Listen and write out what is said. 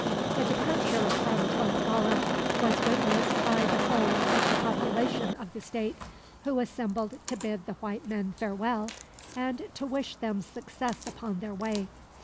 The departure from Tlascala was witnessed by the whole of the population of the state, who assembled to bid the white men farewell, and to wish them success upon their way.